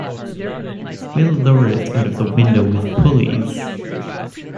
We'll lower it out of the window with pulleys.